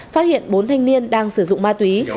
phát hiện bốn thanh niên đang sử dụng ma túy